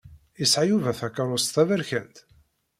Isɛa Yuba takerrust taberkant?